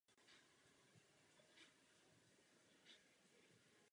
Současný název souostroví má antické kořeny.